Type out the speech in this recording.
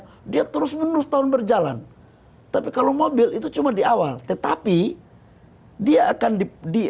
pakai minyak dia terus menerus tahun berjalan tapi kalau mobil itu cuma diawal tetapi dia akan di